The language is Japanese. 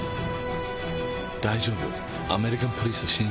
大丈夫。